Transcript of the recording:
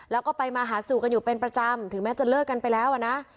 แล้วก็ไปมาหาสู่กันอยู่เป็นประจำถึงแม้จะเลิกกันไปแล้วอะนะ